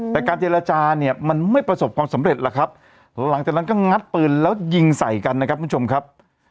แต่การเจรจาเนี่ยมันไม่ประสบความสำเร็จหรอกครับ